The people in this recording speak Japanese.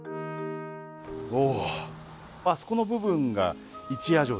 お。